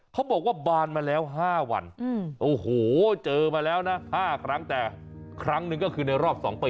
เขาบอกว่าบานมาแล้ว๕วันโอ้โหเจอมาแล้วนะ๕ครั้งแต่ครั้งหนึ่งก็คือในรอบ๒ปี